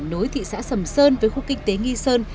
nối thị xã sầm sơn với khu kinh tế nghi sơn